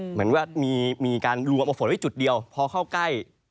เหมือนว่ามีการรวมเอาฝนไว้จุดเดียวพอเข้าใกล้